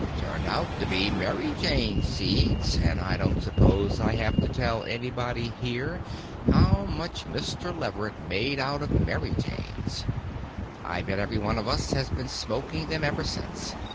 Turned out to be Maryjane seeds, and I don't suppose I have to tell anybody here how much Mr. Leverett made out of Maryjanes; I bet every one of us has been smoking them ever since.